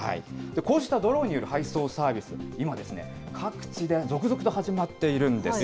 こうしたドローンによる配送サービス、今、各地で続々と始まっているんです。